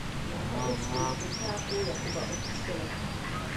Mnoho irských pěšáků Jakuba opustilo.